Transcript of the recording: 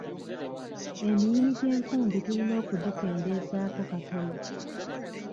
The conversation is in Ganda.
Emiyini gy’enkumbi tulina okugikendeezaako katono.